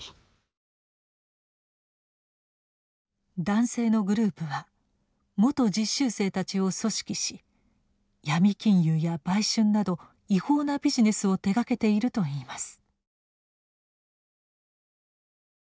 男性のグループは元実習生たちを組織し闇金融や売春など違法なビジネスを手がけているといいます。